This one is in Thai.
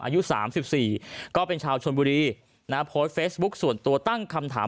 อายุสามสิบสี่ก็เป็นชาวชนบุรีนะโพสต์เฟซบุ๊คส่วนตัวตั้งคำถาม